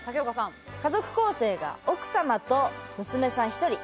家族構成が奥様と娘さん１人。